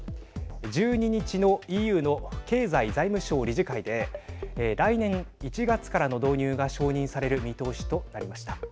１２日のＥＵの経済財務相理事会で来年１月からの導入が承認される見通しとなりました。